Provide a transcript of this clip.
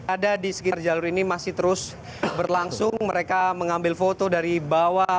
ada di sekitar jalur ini masih terus berlangsung mereka mengambil foto dari bawah